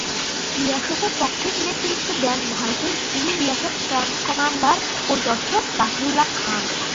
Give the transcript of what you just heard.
বিএসএফের পক্ষে নেতৃত্ব দেন ভারতের হিলি বিএসএফ ক্যাম্প কমান্ডার পরিদর্শক জাফরুল্লাহ খান।